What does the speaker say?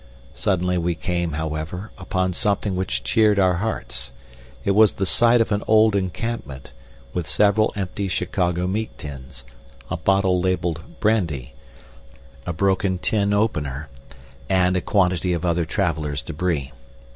Suddenly we came, however, upon something which cheered our hearts. It was the site of an old encampment, with several empty Chicago meat tins, a bottle labeled "Brandy," a broken tin opener, and a quantity of other travelers' debris.